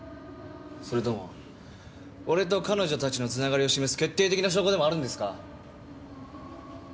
それとも俺と彼女たちのつながりを示す決定的な証拠でもあるんですか？